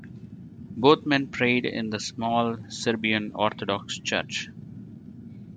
Both men prayed in the small Serbian Orthodox church.